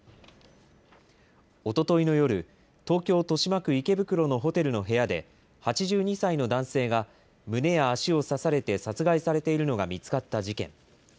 おとといの夜、東京・豊島区池袋のホテルの部屋で、８２歳の男性が胸や足を刺されて殺害されているのが見つかった事件。